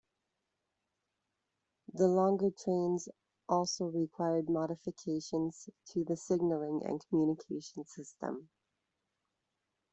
The longer trains also required modifications to the signalling and communication system.